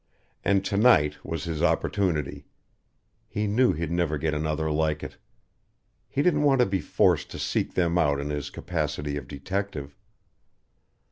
And tonight was his opportunity. He knew he'd never have another like it. He didn't want to be forced to seek them out in his capacity of detective.